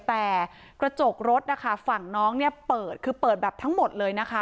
แต่กระจกรถนะคะฝั่งน้องเนี่ยเปิดคือเปิดแบบทั้งหมดเลยนะคะ